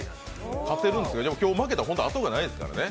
勝てるんですか、今日負けたら後がないですからね。